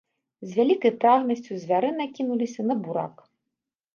З вялікай прагнасцю звяры накінуліся на бурак.